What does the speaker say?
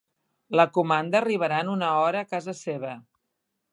La comanda arribarà en una hora a casa seva.